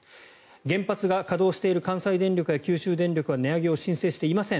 原発が稼働している関西電力や九州電力は値上げを申請していません。